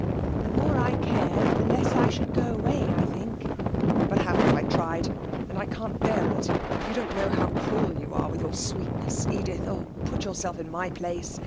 'The more I cared, the less I should go away, I think.' 'But, haven't I tried? And I can't bear it. You don't know how cruel you are with your sweetness, Edith...Oh, put yourself in my place!